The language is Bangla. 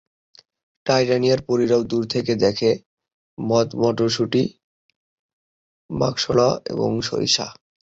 টাইটানিয়ার পরীরাও দূর থেকে দেখে: মথ, মটরশুঁটি, মাকড়সা এবং সরিষা।